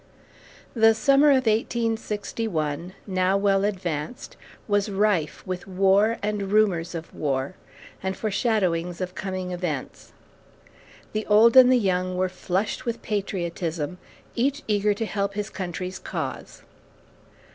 The Summer of 1861, now well advanced, was rife with war and rumors of war, and foreshadowings of coming events. The old and the young were flushed with patriotism, each eager to help his country's cause.